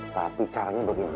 tapi caranya bagaimana